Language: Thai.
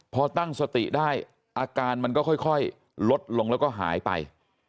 พอตั้งสติได้อาการมันก็ค่อยลดลงแล้วก็หายไป